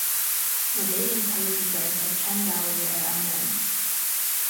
The date and place of birth of Chen Dali are unknown.